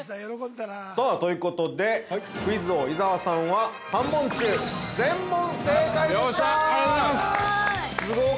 ◆さあ、ということで、クイズ王・伊沢さんは３問中全問正解でした。